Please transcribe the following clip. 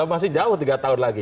masih jauh tiga tahun lagi